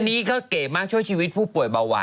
อันนี้ก็เก๋มากช่วยชีวิตผู้ป่วยเบาะ